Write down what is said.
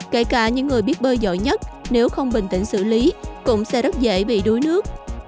kể cả những người biết bơi giỏi nhất nếu không bình tĩnh xử lý cũng sẽ rất dễ bị đuối nước